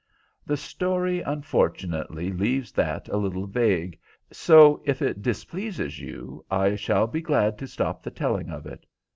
"The story, unfortunately, leaves that a little vague, so if it displeases you I shall be glad to stop the telling of it."